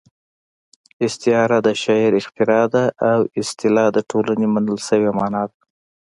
استعاره د شاعر اختراع ده او اصطلاح د ټولنې منل شوې مانا ده